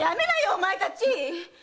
お前たち！